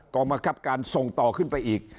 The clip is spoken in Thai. กรรมคับการส่งต่อขึ้นไปอีก